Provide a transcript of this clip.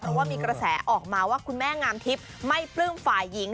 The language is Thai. เพราะว่ามีกระแสออกมาว่าคุณแม่งามทิพย์ไม่ปลื้มฝ่ายหญิง